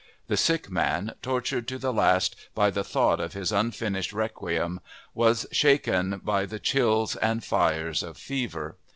The sick man, tortured to the last by the thought of his unfinished Requiem, was shaken by the chills and fires of fever.